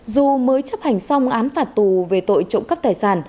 dù mới chấp hành xong án phạt tù về tội trộm cắp tài sản